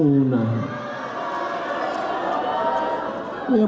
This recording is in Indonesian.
bupar indonesia punah